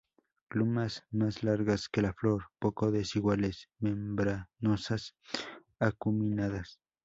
Glumas más largas que la flor, poco desiguales, membranosas, acuminadas.